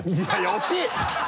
惜しい！